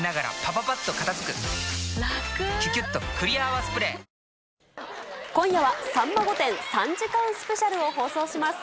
オールインワン今夜はさんま御殿３時間スペシャルを放送します。